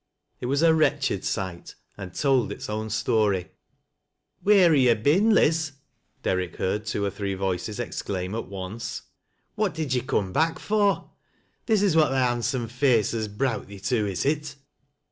It was a wretched sight, and told its own story. " Wheer ha' yo' been, Liz ?" Derrick heard two or three voices exclaim at once. " What did you coom back for ? This is what thy handsome face has browt thee to, is it